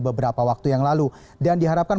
beberapa waktu yang lalu dan diharapkan